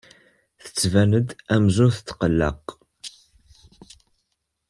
Tettban-d amzun tetqelleq.